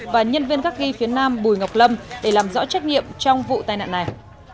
và nhân viên gác ghi phía nam bùi ngọc lâm để làm rõ trách nhiệm trong vụ tai nạn này